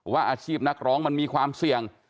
อาชีพนักร้องมันมีความเสี่ยง